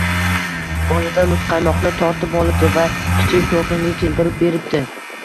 boladan muzqaymoqni tortib olibdi va Kichik to‘lqinga keltirib beribdi